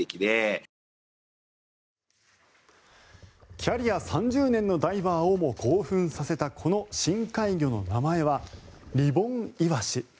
キャリア３０年のダイバーをも興奮させたこの深海魚の名前はリボンイワシ。